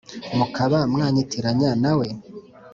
mukaba mwanyitiranya na we ?